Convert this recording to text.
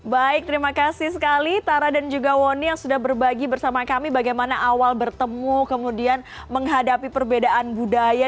baik terima kasih sekali tara dan juga wonny yang sudah berbagi bersama kami bagaimana awal bertemu kemudian menghadapi perbedaan budaya